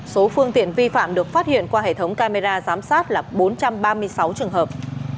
số phương tiện vi phạm được phát hiện qua hệ thống camera giám sát là bốn trăm ba mươi sáu trường hợp